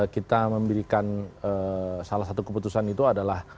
kita memberikan salah satu keputusan itu adalah